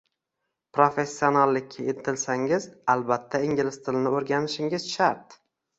professionallikka intilsangiz albatta ingliz tilini o’rganishingiz shart